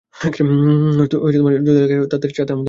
যদি এলাকায় কেউ ঢুকে, আমাদের সাথে জানাবেন।